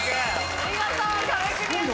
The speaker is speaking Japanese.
見事壁クリアです。